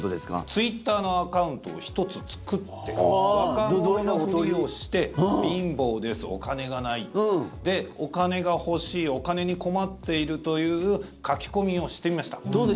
ツイッターのアカウントを１つ作って、若者のふりをして貧乏です、お金がないで、お金が欲しいお金に困っているという書き込みをしてみました。